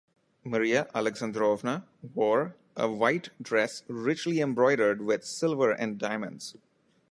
Maria Alexandrovna wore a white dress richly embroidered with silver and diamonds.